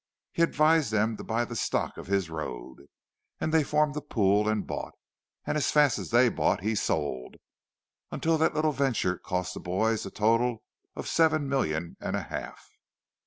He advised them to buy the stock of his road; and they formed a pool and bought, and as fast as they bought, he sold—until the little venture cost the boys a total of seven million and a half!